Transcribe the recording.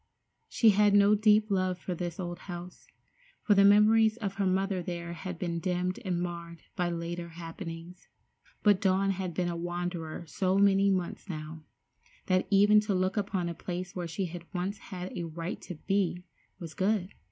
She had no deep love for this old house, for the memories of her mother there had been dimmed and marred by later happenings; but Dawn had been a wanderer so many months now, that even to look upon a place where she had once had a right to be, was good.